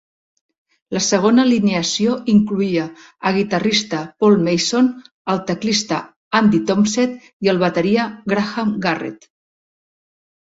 La segona alineació incloïa a guitarrista Paul Mason, al teclista Andy Tompsett i el bateria Graham Garrett.